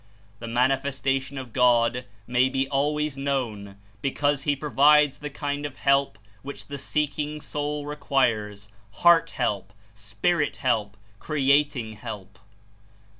The Manifestation of God may be always known, because He provides the kind of help which the seeking soul requires, heart help, spirit help, creating help.